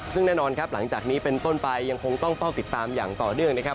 ซึ่งแน่นอนครับหลังจากนี้เป็นต้นไปยังคงต้องเฝ้าติดตามอย่างต่อเนื่องนะครับ